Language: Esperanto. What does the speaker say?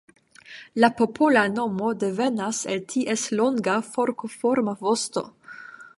La popola nomo devenas el ties longo forkoforma vosto.